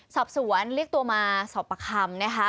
สอบสวนเรียกตัวมาสอบประคำนะคะ